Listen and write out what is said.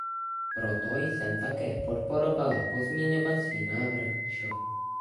Proto jsem také podporovala pozměňovací návrh č.